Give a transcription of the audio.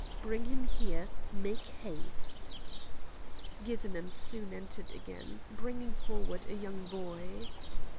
Bring him here! make haste!" Giddenem soon entered again, bringing forward a young boy.